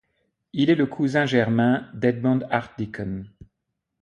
Il est le cousin germain d'Edmond Archdeacon.